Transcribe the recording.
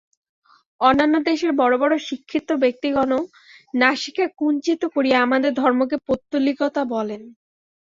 অন্যান্য দেশের বড় বড় শিক্ষিত ব্যক্তিগণও নাসিকা কুঞ্চিত করিয়া আমাদের ধর্মকে পৌত্তলিকতা বলেন।